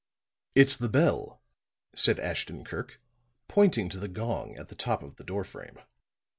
"It's the bell," said Ashton Kirk, pointing to the gong at the top of the door frame.